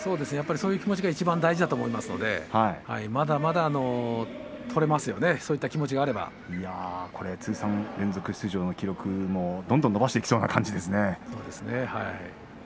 そういう気持ちがいちばん大事だと思いますのでまだまだ取れますよね、そういった通算連続出場の記録もどんどん伸ばしていきそうな感じですね。